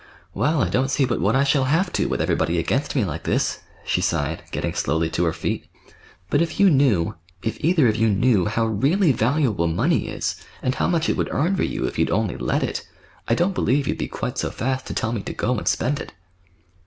"Well, I don't see but what I shall have to, with everybody against me like this," she sighed, getting slowly to her feet. "But if you knew—if either of you knew—how really valuable money is, and how much it would earn for you, if you'd only let it, I don't believe you'd be quite so fast to tell me to go and spend it."